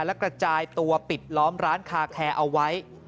และกระจายตัวปิดล้อมร้านคาแคร์เอาไว้